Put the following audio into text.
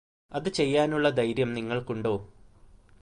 അത് ചെയ്യാനുള്ള ധൈര്യം നിങ്ങൾക്കുണ്ടോ